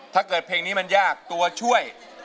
ถ้าเกิดเพลงนี้มันยากตัวช่วย